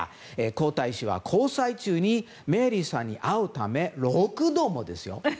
皇太子は交際中にメアリーさんに会うため６度もですよ